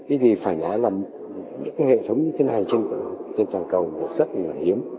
ít thì phải nói là những hệ thống như thế này trên toàn cầu rất là hiếm